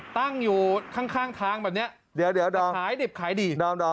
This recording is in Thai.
ตั้งอยู่ข้างทางแบบนี้ไหนดิบทำดิ